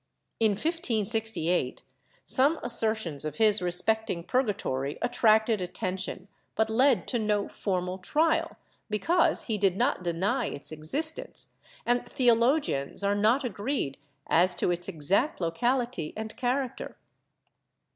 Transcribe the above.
In 1568 some assertions of his respect ing purgatory attracted attention, but led to no formal trial, because he did not deny its existence, and theologians are not agreed as to its exact locality and character.